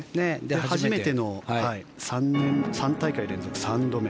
初めての３大会連続３度目。